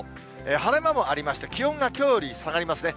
晴れ間もありまして、気温がきょうより下がりますね。